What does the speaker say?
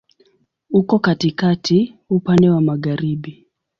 Uko katikati, upande wa magharibi.